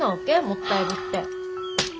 もったいぶって。